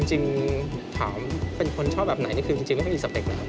จริงถามที่คิดเป็นคนชอบแบบไหนมันคือก็ไม่มีสเต็กนะครับ